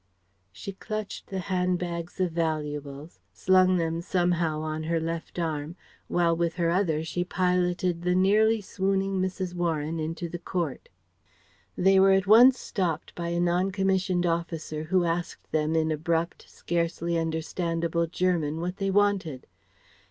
She clutched the handbags of valuables, slung them somehow on her left arm, while with her other she piloted the nearly swooning Mrs. Warren into the court. They were at once stopped by a non commissioned officer who asked them in abrupt, scarcely understandable German what they wanted.